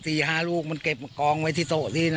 สี่ห้ารุ่มินเก็บกองไว้ในโต๊ะนี่นะ